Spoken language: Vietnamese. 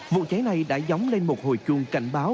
vụ cháy này đã dóng lên một hồi chuông cảnh báo